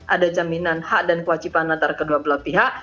ada jaminan hak dan kewajiban antara kedua belah pihak